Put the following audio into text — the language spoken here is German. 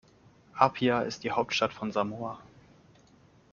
Apia ist die Hauptstadt von Samoa.